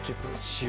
塩。